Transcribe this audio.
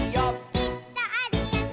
「きっとあるよね」